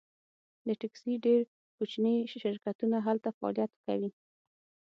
د ټکسي ډیر کوچني شرکتونه هلته فعالیت کوي